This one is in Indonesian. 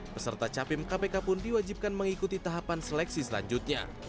peserta capim kpk pun diwajibkan mengikuti tahapan seleksi selanjutnya